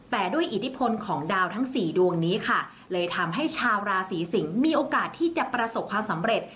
แต่ด้วยอิทธิพลของดาวทั้ง๔ดวงนี้ค่ะเลยทำให้ชาวราศีสิงศ์มีโอกาสที่จะประสบความสำเร็จ